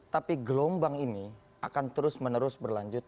tapi gelombang ini akan terus menerus berlanjut